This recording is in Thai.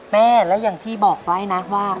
แม่และอย่างที่บอกไว้นะว่า